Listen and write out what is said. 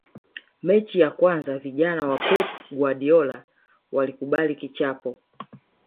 mechi ya kwanza vijana wa pep guardiola walikubali kichapo